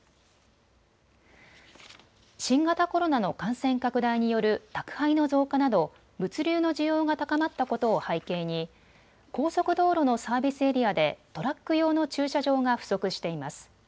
新型コロナの感染拡大による宅配の増加など物流の需要が高まったことを背景に高速道路のサービスエリアでトラック用の駐車場が不足しています。